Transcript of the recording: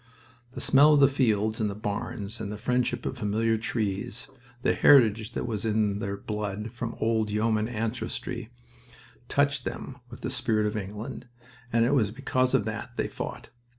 The smell of the fields and the barns, the friendship of familiar trees, the heritage that was in their blood from old yeoman ancestry, touched them with the spirit of England, and it was because of that they fought.